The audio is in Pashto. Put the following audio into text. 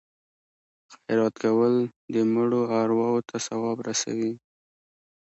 خیرات کول د مړو ارواو ته ثواب رسوي.